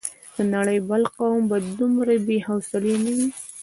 د نړۍ بل قوم به دومره بې حوصلې نه وي.